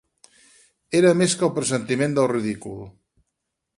Era més que el pressentiment del ridícul.